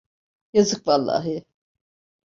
Yazık vallahi.